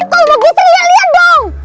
kau mau gitu lihat lihat dong